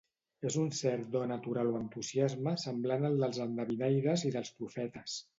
És un cert do natural o entusiasme, semblant al dels endevinaires i dels profetes.